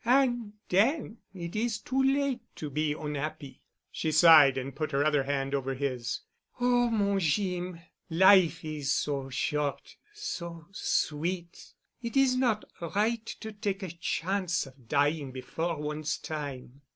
"An' den it is too late to be onhappy——," she sighed and put her other hand over his. "Oh, mon Jeem, life is so short, so sweet. It is not right to take a chance of dying before one's time."